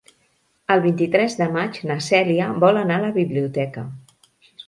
El vint-i-tres de maig na Cèlia vol anar a la biblioteca.